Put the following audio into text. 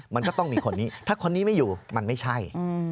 มันก็ต้องมีคนนี้ถ้าคนนี้ไม่อยู่มันไม่ใช่